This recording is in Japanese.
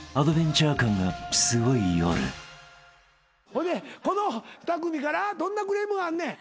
ほいでこの２組からどんなクレームがあんねん。